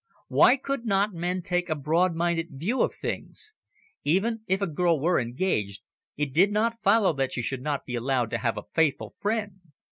Why could not men take a broad minded view of things? Even if a girl were engaged, it did not follow that she should not be allowed to have a faithful friend.